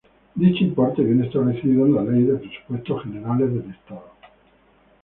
Dicho importe viene establecido en la Ley de Presupuestos Generales del Estado.